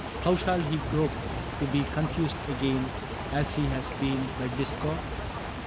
How shall he grope to be confused again. As he has been, by discord